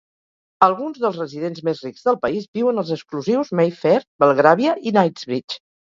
Alguns dels residents més rics del país viuen als exclusius Mayfair, Belgravia i Knightsbridge.